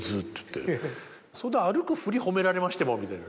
「歩くふり褒められましても」みたいな。